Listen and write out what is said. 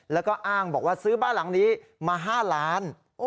แล้วก็อ้างบอกว่าซื้อบ้านหลังนี้มา๕ล้าน